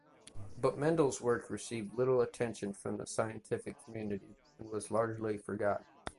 But Mendel's work received little attention from the scientific community and was largely forgotten.